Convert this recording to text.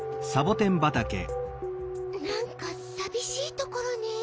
なんかさびしいところねえ。